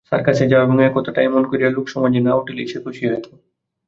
সার্কাসে যাওয়া এবং এ কথাটা এমন করিয়া লোকসমাজে না উঠিলেই সে খুশি হইত।